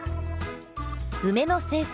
梅の生産